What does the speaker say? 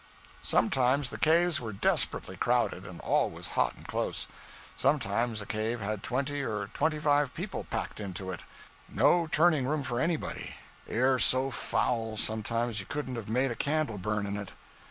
'Sometimes the caves were desperately crowded, and always hot and close. Sometimes a cave had twenty or twenty five people packed into it; no turning room for anybody; air so foul, sometimes, you couldn't have made a candle burn in it.